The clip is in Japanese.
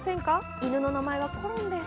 犬の名前はコロンです。